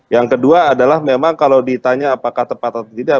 yang kedua adalah memang kalau ditanya apakah tepat atau tidak